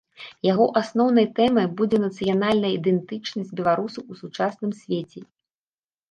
Яго асноўнай тэмай будзе нацыянальная ідэнтычнасць беларусаў у сучасным свеце.